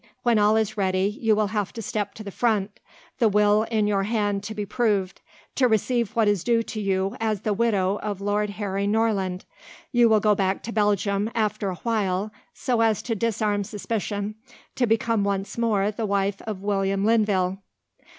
When all is ready, you will have to step to the front the will in your hand to be proved to receive what is due to you as the widow of Lord Harry Norland. You will go back to Belgium, after awhile, so as to disarm suspicion, to become once more the wife of William Linville."